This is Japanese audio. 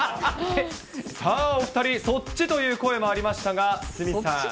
さあ、お２人、そっち？という声もありましたが、鷲見さん。